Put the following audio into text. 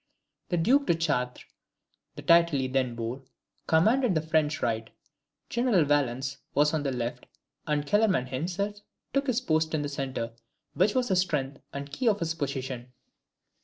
The Duc de Chartres (the title he then bore) commanded the French right, General Valence was on the left, and Kellerman himself took his post in the centre, which was the strength and key of his position.